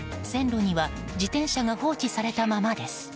線路には自転車が放置されたままです。